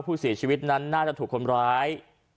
ผู้เสียชีวิตนั้นน่าจะถูกคนร้าย